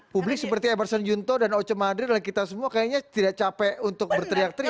publik seperti emerson junto dan oce madri dan kita semua kayaknya tidak capek untuk berteriak teriak